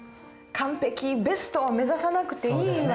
完璧ベストを目指さなくていい訳ですか。